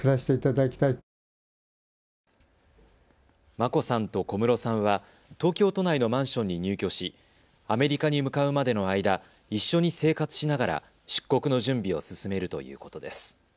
眞子さんと小室さんは東京都内のマンションに入居しアメリカに向かうまでの間、一緒に生活しながら出国の準備を進めるということです。